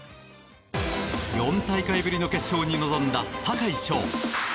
４大会ぶりの決勝に臨んだ坂井丞。